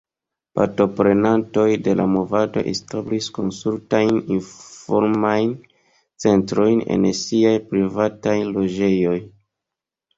Partoprenantoj de la movado establis konsultajn-informajn centrojn en siaj privataj loĝejoj.